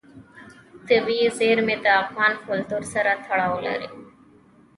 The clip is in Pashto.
طبیعي زیرمې د افغان کلتور سره تړاو لري.